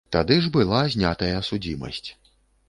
Тады ж была знятая судзімасць.